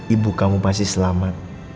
ibu kamu pasti selamat